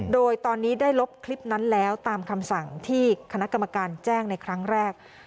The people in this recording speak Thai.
โดยตอนนี้ได้ลบคลิปนั้นแล้วตามคำสั่งที่คณะกรรมการแจ้งในครั้งแรก